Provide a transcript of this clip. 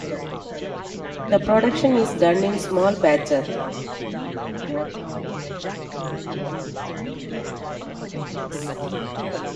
The production is done in small batches.